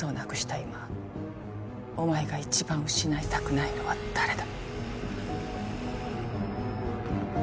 今お前が一番失いたくないのは誰だ？